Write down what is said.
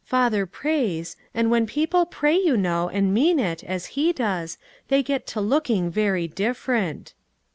Father prays, and when people pray, you know, and mean it, as he does, they get to looking very different."